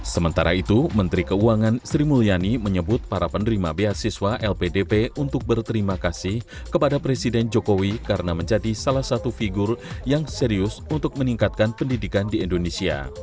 sementara itu menteri keuangan sri mulyani menyebut para penerima beasiswa lpdp untuk berterima kasih kepada presiden jokowi karena menjadi salah satu figur yang serius untuk meningkatkan pendidikan di indonesia